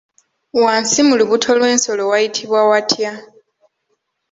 Wansi mu lubuto lw'ensolo wayitibwa watya?